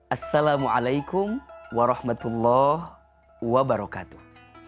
assalamualaikum warahmatullahi wabarakatuh